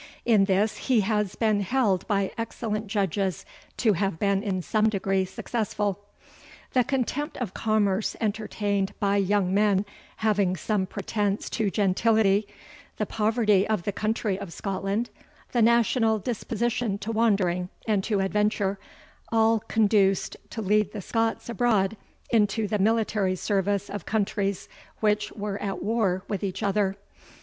In this he has been held by excellent judges to have been in some degree successful. The contempt of commerce entertained by young men having some pretence to gentility, the poverty of the country of Scotland, the national disposition to wandering and to adventure, all conduced to lead the Scots abroad into the military service of countries which were at war with each other.